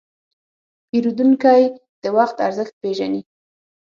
پیرودونکی د وخت ارزښت پېژني.